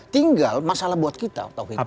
tinggal masalah buat kita